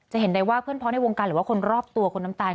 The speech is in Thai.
เห็นได้ว่าเพื่อนพร้อมในวงการหรือว่าคนรอบตัวคุณน้ำตาล